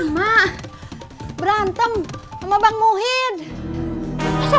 mak berantem sama pak muhyiddin